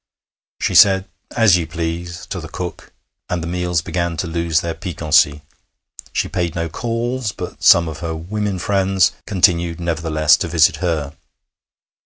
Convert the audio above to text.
She said 'As you please' to the cook, and the meals began to lose their piquancy. She paid no calls, but some of her women friends continued, nevertheless, to visit her.